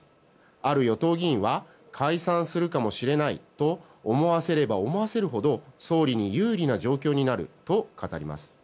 ある与党議員は解散するかもしれないと思わせれば思わせるほど総理に有利な状況になると語ります。